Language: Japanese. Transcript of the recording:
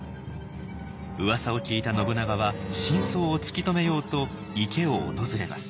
うわさを聞いた信長は真相を突き止めようと池を訪れます。